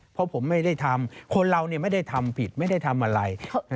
เพราะผมไม่ได้ทำคนเราไม่ได้ทำผิดไม่ได้ทำอะไร